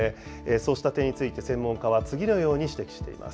そうした点について、専門家は次のように指摘しています。